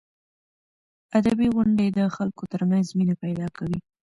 ادبي غونډې د خلکو ترمنځ مینه پیدا کوي.